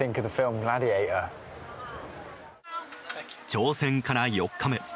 挑戦から４日目。